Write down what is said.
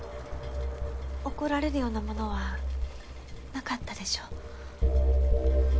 怒られるようなものはなかったでしょ？